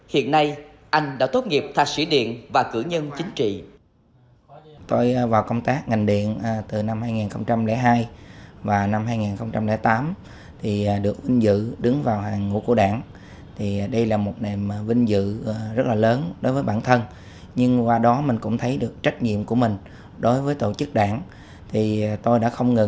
hiện nay anh đã tốt nghiệp thạc sĩ điện và cử nhân chính trị